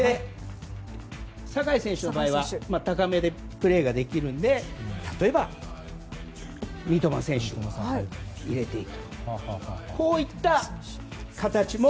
酒井選手の場合は高めでプレーできるので例えば、三笘選手を入れていく。